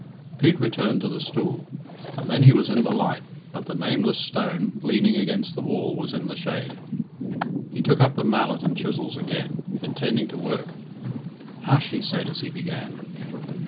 Pete returned to the stool, and then he was in the light, but the nameless stone, leaning against the wall, was in the shade. He took up the mallet and chisels again, intending to work. "Hush!" he said as he began.